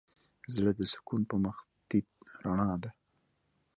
زړه د سکون په مخ تيت رڼا ده.